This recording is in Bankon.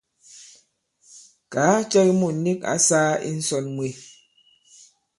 Kàa cɛ ki mût nik ǎ sāā i ǹsɔn mwe.